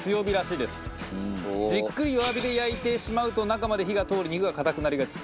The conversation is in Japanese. じっくり弱火で焼いてしまうと中まで火が通り肉が硬くなりがち。